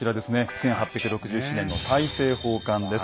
１８６７年の大政奉還です。